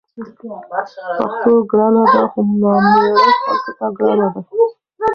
پښتو ګرانه ده؛ خو نامېړه خلکو ته ګرانه ده